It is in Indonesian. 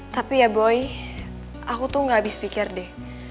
tapi ya boy aku tuh gak habis pikir deh